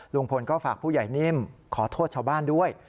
ลุงพลก็ฝากผู้ใหญ่นิ่มขอโทษชาวบ้านด้วย